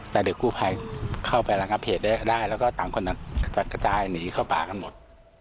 แต่เด็กกูภัยเข้าไปรังอัพเหตุได้แล้วก็ต่างคนต่างก็ได้หนีเข้าปากันหมด